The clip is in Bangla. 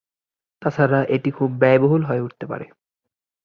তা ছাড়া এটি খুব ব্যয়বহুল হয়ে উঠতে পারে।